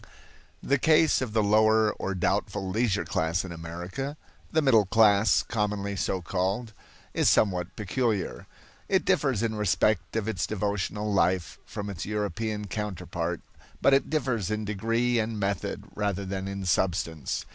The case of the lower or doubtful leisure class in America the middle class commonly so called is somewhat peculiar. It differs in respect of its devotional life from its European counterpart, but it differs in degree and method rather than in substance.